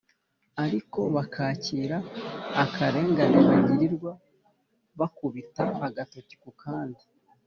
ariko bakakira akarengane bagirirwa bakubita agatoki ku kandi